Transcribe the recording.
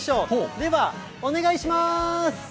では、お願いします。